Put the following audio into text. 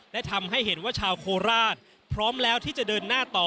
และทำให้เห็นว่าชาวโคราชพร้อมแล้วที่จะเดินหน้าต่อ